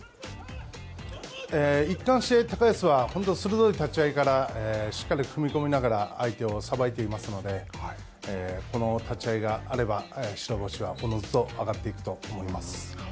一貫して高安は鋭い立ち合いからしっかり踏み込みながら相手をさばいていますので、この立ち合いがあれば、白星はおのずと上がっていくと思います。